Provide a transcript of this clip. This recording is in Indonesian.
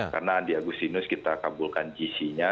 karena andi agustinus kita kabulkan gc nya